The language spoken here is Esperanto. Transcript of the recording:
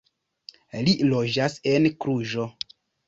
Li loĝas en Kluĵo.